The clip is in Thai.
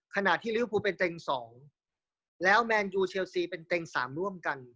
ขณะที่ลิวภูเป็นเต็ง๒แล้วแมนยูเชลซีเป็นเต็งสามร่วมกัน